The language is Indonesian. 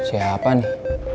ya apa nih